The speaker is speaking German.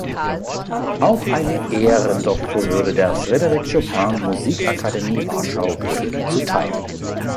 Auch eine Ehrendoktorwürde der Fryderyk-Chopin-Musikakademie Warschau wurde ihm zuteil.